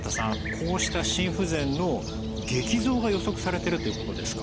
こうした心不全の激増が予測されているということですか？